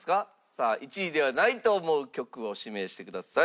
さあ１位ではないと思う曲を指名してください。